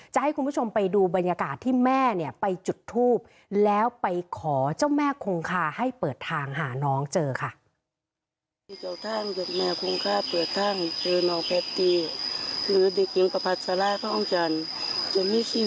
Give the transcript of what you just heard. ให้คุณผู้ชมไปดูบรรยากาศที่แม่เนี่ยไปจุดทูบแล้วไปขอเจ้าแม่คงคาให้เปิดทางหาน้องเจอค่ะ